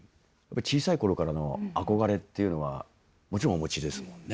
小さい頃からの憧れっていうのはもちろんお持ちですもんね？